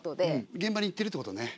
現場に行ってるってことだね。